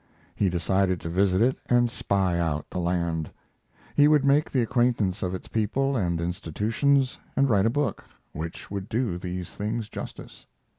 He decided to visit it and spy out the land. He would make the acquaintance of its people and institutions and write a book, which would do these things justice.